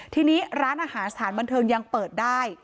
ทีนี้ร้านอาหารสถานบันเทิงยังเปิดได้